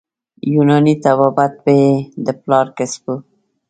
یوناني طبابت یې د پلار کسب وو.